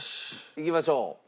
いきましょう。